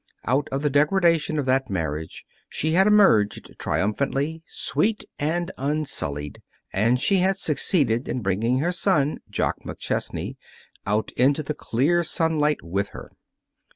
Out of the degradation of that marriage she had emerged triumphantly, sweet and unsullied, and she had succeeded in bringing her son, Jock McChesney, out into the clear sunlight with her.